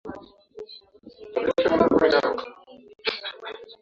Samia atashikilia wadhifa wa urais kwa kipindi kilichosalia